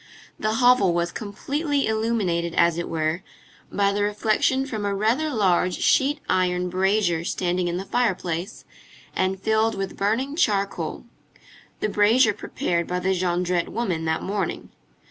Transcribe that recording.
The hovel was completely illuminated, as it were, by the reflection from a rather large sheet iron brazier standing in the fireplace, and filled with burning charcoal, the brazier prepared by the Jondrette woman that morning.